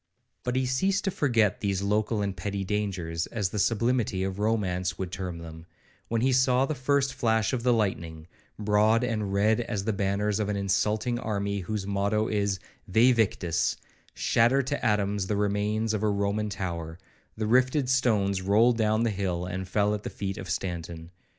But he ceased to forget these local and petty dangers, as the sublimity of romance would term them, when he saw the first flash of the lightning, broad and red as the banners of an insulting army whose motto is Væ victis, shatter to atoms the remains of a Roman tower;—the rifted stones rolled down the hill and fell at the feet of Stanton.